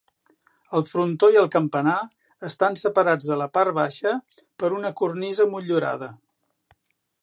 El frontó i el campanar estan separats de la part baixa per una cornisa motllurada.